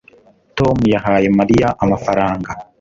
Tom yahaye Mariya amafaranga